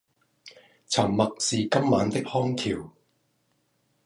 沉默是今晚的康橋